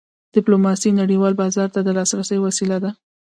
ډیپلوماسي نړیوال بازار ته د لاسرسي وسیله ده.